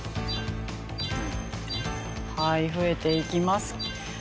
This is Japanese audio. はい増えていきます。